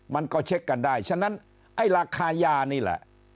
มันก็เช็คกันได้ฉะนั้นไอ้ราคายานี่แหละ